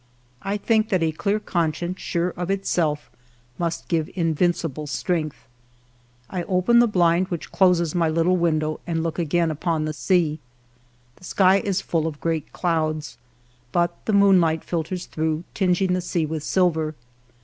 I think that a clear conscience, sure of itself, must give invincible strength. I open the blind which closes my little window and look again upon the sea. The sky is full of ALFRED DREYFUS m great clouds, but the moonlight filters through, tingeing the sea with silver.